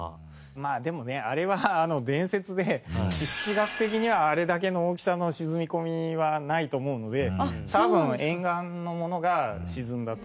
まあでもねあれは伝説で地質学的にはあれだけの大きさの沈み込みはないと思うので多分沿岸のものが沈んだと。